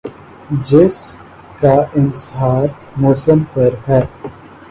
جس کا انحصار موسم پر ہے ۔